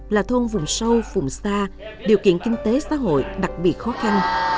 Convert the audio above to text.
là thôn vùng sâu vùng xa điều kiện kinh tế xã hội đặc biệt khó khăn